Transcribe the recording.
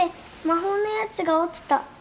魔法のやつが落ちた。